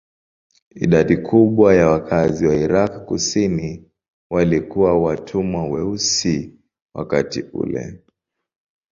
Idadi kubwa ya wakazi wa Irak kusini walikuwa watumwa weusi wakati ule.